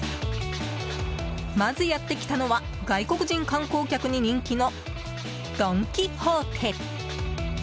まず、やってきたのは外国人観光客に人気のドン・キホーテ。